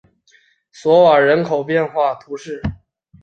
索瓦人口变化图示